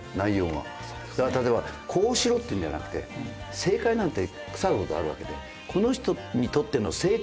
例えばこうしろって言うんじゃなくて正解なんて腐るほどあるわけで。